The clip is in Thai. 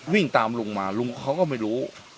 วิ่งตามลุงมาลุงเขาก็ไม่รู้